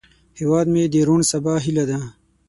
هیواد مې د روڼ سبا هیله ده